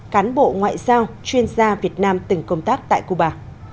cán bộ ngoại giao chuyên gia việt nam từng công tác tại cuba